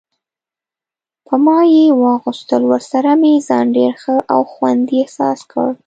په ما یې واغوستل، ورسره مې ځان ډېر ښه او خوندي احساس کړ.